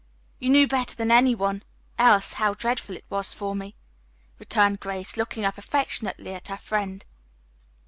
"You knew better than any one else how dreadful it was for me," returned Grace, looking up affectionately at her friend.